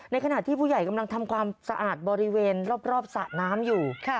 ขณะที่ผู้ใหญ่กำลังทำความสะอาดบริเวณรอบสระน้ำอยู่